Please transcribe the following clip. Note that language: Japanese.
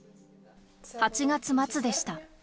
８月末でした。